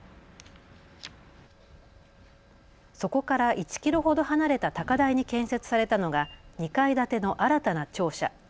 そこから１キロほど離れた高台に建設されたのが２階建ての新たな庁舎。